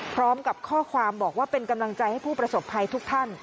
พร้อมกับข้อความบอกว่าเป็นกำลังใจให้ผู้ประสบภัยทุกท่าน